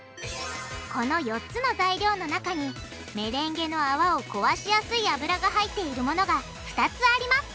この４つの材料の中にメレンゲの泡を壊しやすい油が入っているものが２つあります。